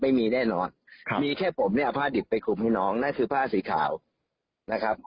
ไม่มีแน่นอนครับมีแค่ผมเนี่ยเอาผ้าดิบไปคลุมให้น้องนั่นคือผ้าสีขาวนะครับ